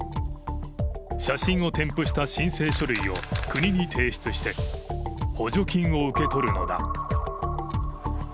写真を添付した申請書類を国に提出して、補助金を受け取るのだ。